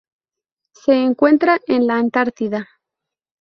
Se encuentra en la Antártida.